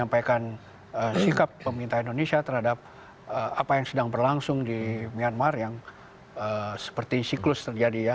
menyampaikan sikap pemerintah indonesia terhadap apa yang sedang berlangsung di myanmar yang seperti siklus terjadi ya